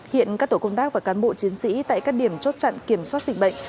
hiện các tổ công tác và cán bộ chiến sĩ tại các điểm chốt chặn kiểm soát dịch bệnh